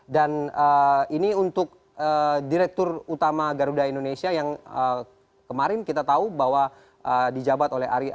dan ini untuk direktur utama garuda indonesia yang kemarin kita tahu bahwa dijabat oleh arief